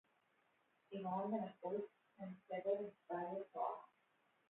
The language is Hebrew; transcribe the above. עיוורון ונכות הם סבל בל יתואר